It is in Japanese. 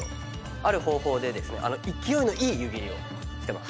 ある方法でですね勢いのいい湯切りをしてます。